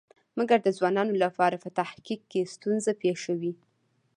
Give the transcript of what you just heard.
مګر د ځوانانو لپاره په تحقیق کې ستونزه پېښوي.